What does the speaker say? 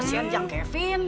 kasihan jangan kevin